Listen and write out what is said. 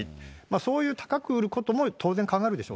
そういう高く売ることも当然考え